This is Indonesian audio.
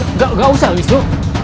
enggak usah wisnu